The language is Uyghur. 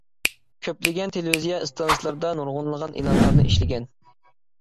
كۆپلىگەن تېلېۋىزىيە ئىستانسىلىرىدا نۇرغۇنلىغان ئېلانلارنى ئىشلىگەن.